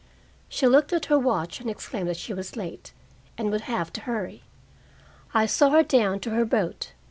She looked at her watch, and exclaimed that she was late, and would have to hurry. I saw her down to her boat.